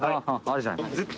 あるじゃない。